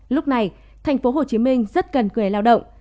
lúc này thành phố hồ chí minh rất cần người lao động